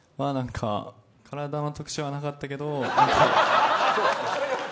体の特徴はなかったけど。